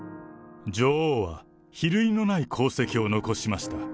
女王は比類のない功績を残しました。